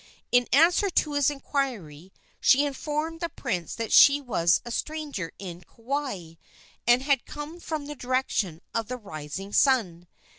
In answer to his inquiry she informed the prince that she was a stranger in Kauai, and had come from the direction of the rising sun.